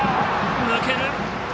抜ける。